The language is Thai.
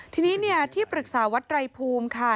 ทีนี้ที่ปรึกษาวัดไรภูมิค่ะ